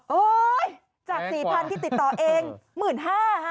โอ๊ยจาก๔๐๐๐ที่ติดต่อเอง๑๕๐๐๐ค่ะ